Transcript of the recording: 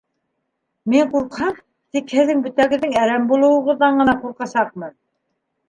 Мин ҡурҡһам, тик һеҙҙең бөтәгеҙҙең әрәм булыуығыҙҙан ғына ҡурҡасаҡмын!